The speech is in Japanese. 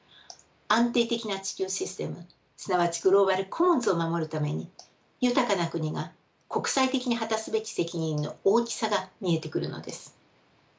安定的な地球システムすなわちグローバル・コモンズを守るために豊かな国が国際的に果たすべき責任の大きさが見えてくるのです。